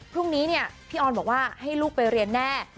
พรุ่งนี้เนี่ยพี่ออนบอกว่าให้ลูกไปเรียนแน่